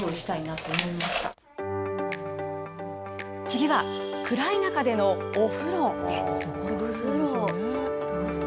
次は、暗い中でのお風呂です。